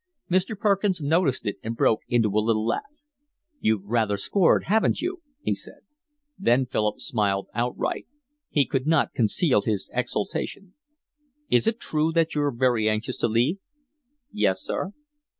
Mr. Perkins noticed it and broke into a little laugh. "You've rather scored, haven't you?" he said. Then Philip smiled outright. He could not conceal his exultation. "Is it true that you're very anxious to leave?" "Yes, sir."